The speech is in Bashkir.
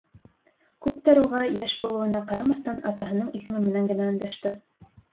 Күптәр уға, йәш булыуына ҡарамаҫтан, атаһының исеме менән генә өндәште!